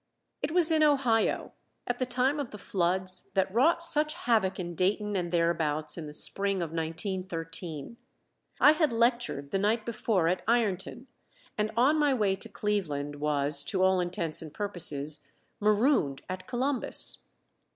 It was in Ohio, at the time of the floods that wrought such havoc in Dayton and thereabouts in the spring of 1913. I had lectured the night before at Ironton, and on my way to Cleveland was to all intents and purposes marooned at Columbus.